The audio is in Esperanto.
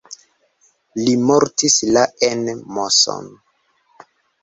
Li mortis la en Moson.